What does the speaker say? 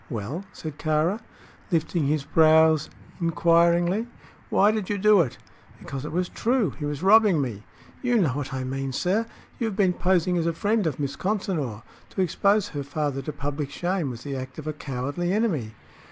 "Well?" said Kāra, lifting his brows inquiringly. "Why did you do it?" "Because it was true. He was robbing me." "You know what I mean, sir! You have been posing as a friend of Miss Consinor. To expose her father to public shame was the act of a cowardly enemy."